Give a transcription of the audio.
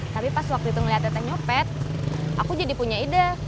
tapi pas waktu itu ngeliat tete nyopet aku jadi punya ide